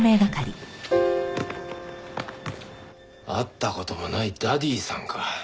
会った事もないダディさんか。